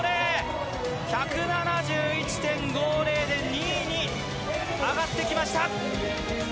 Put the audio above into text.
１７１．５０で２位に上がってきました。